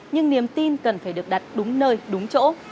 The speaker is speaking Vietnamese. nhưng niềm tin cần phải được đặt đúng nơi đúng chỗ